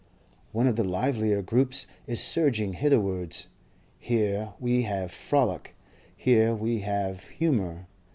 One of the livelier groups is surging hitherwards; here we have frolic, here we have humour.